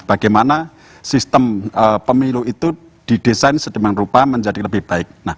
bagaimana sistem pemilu itu didesain sedemikian rupa menjadi lebih baik